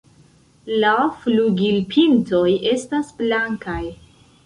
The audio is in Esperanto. La flugilpintoj estas blankaj.